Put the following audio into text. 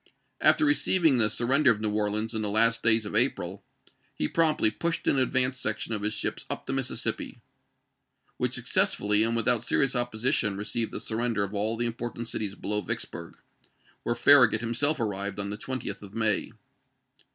After receiving the sur render of New Orleans in the last days of April, he promptly pushed an advance section of his ships up the Mississippi, which successively, and without serious opposition, received the surrender of all the important cities below Vicksburg, where Farragut himself arrived on the 20th of May.